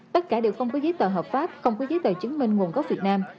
tất cả đều không có giấy tờ hợp pháp không có giấy tờ chứng minh nguồn gốc việt nam